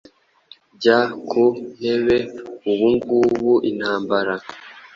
Jya ku ntebe ubungubuintambara